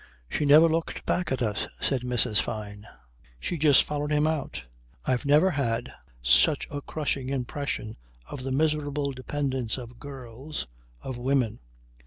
"She never looked back at us," said Mrs. Fyne. "She just followed him out. I've never had such a crushing impression of the miserable dependence of girls of women.